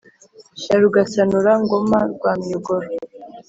ya rugasanura-ngoma rwa miyogoro